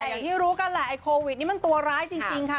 แต่อย่างที่รู้กันแหละไอ้โควิดนี้มันตัวร้ายจริงค่ะ